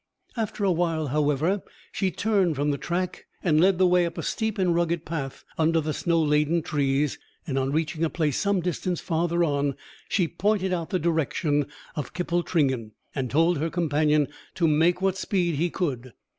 After a while, however, she turned from the track, and led the way up a steep and rugged path under the snow laden trees, and on reaching a place some distance farther on, she pointed out the direction of Kippletringan, and told her companion to make what speed he could.